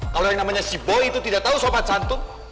kalau yang namanya si boy itu tidak tahu sobat santun